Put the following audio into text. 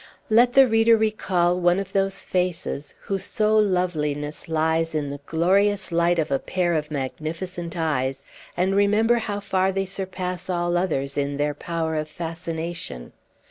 Let the reader recall one of those faces whose sole loveliness lies in the glorious light of a pair of magnificent eyes, and remember how far they surpass all others in their power of fascination.